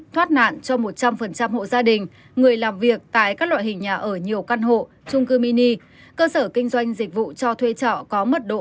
thoát nạn cho một trăm linh hộ gia đình người làm việc tại các loại hình nhà ở nhiều căn hộ trung cư mini cơ sở kinh doanh dịch vụ cho thuê trọ có mật độ